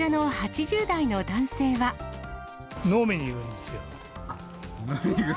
飲みに行くんですよ。